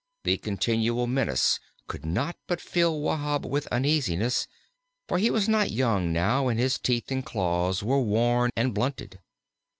The continual menace could not but fill Wahb with uneasiness, for he was not young now, and his teeth and claws were worn and blunted.